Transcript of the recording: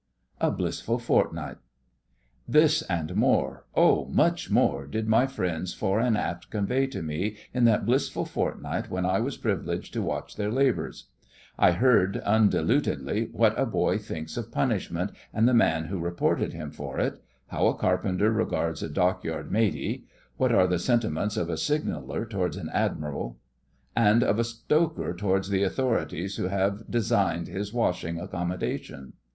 A BLISSFUL FORTNIGHT This and more—oh! much more—did my friends fore and aft convey to me in that blissful fortnight when I was privileged to watch their labours. I heard, undilutedly, what a boy thinks of punishment and the man who reported him for it; how a carpenter regards a Dockyard 'matey,' what are the sentiments of a signaller towards an Admiral and of a stoker towards the Authorities who have designed his washing accommodation.